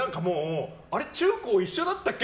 中高一緒だったっけ？